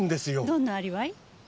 どんなアリバイ？